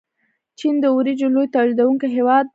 چین د وریجو لوی تولیدونکی هیواد دی.